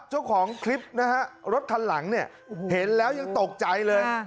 เจ้าของคลิปนะฮะรถคันหลังเนี่ยเห็นแล้วยังตกใจเลย